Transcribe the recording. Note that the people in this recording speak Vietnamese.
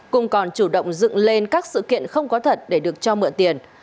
cùng còn chủ động dựng lên các sự kiện không có thật để được cho mượn tiền